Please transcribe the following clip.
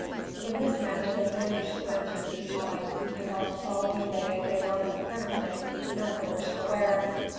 In this manner they managed to live through each night, and on the following day they were, apparently, none the worse for wear.